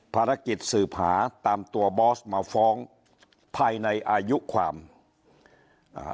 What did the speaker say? ภารกิจสืบหาตามตัวบอสมาฟ้องภายในอายุความอ่า